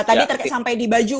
tadi sampai di baju